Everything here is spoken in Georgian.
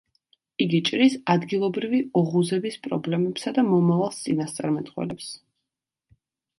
იგი ჭრის ადგილობრივი ოღუზების პრობლემებსა და მომავალს წინასწარმეტყველებს.